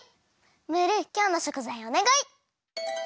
ムールきょうのしょくざいをおねがい！